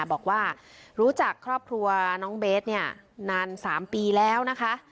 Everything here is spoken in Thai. บอกว่ารู้จักครอบครัวน้องเบสเนี่ยนาน๓ปีแล้วนะคะ